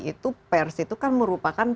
itu pers itu kan merupakan